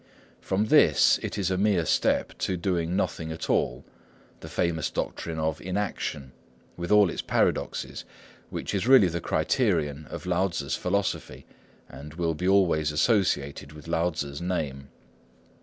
From this it is a mere step to doing nothing at all, the famous doctrine of Inaction, with all its paradoxes, which is really the criterion of Lao Tzŭ's philosophy and will be always associated with Lao Tzŭ's name.